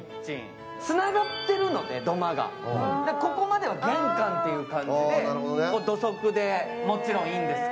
土間がつながっているので、ここまでは玄関という感じで土足でもちろんいいんです。